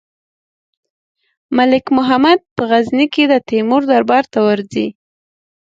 ملک محمد په غزني کې د تیمور دربار ته ورځي.